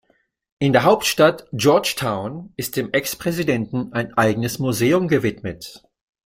In der Hauptstadt Georgetown ist dem Ex-Präsidenten ein eigenes Museum gewidmet.